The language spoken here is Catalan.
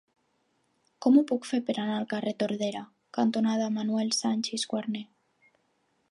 Com ho puc fer per anar al carrer Tordera cantonada Manuel Sanchis Guarner?